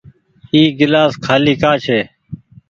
اي گلآس کآلي ڪآ ڇي ۔